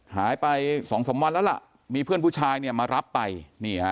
หายไปสองสามวันแล้วล่ะมีเพื่อนผู้ชายเนี่ยมารับไปนี่ฮะ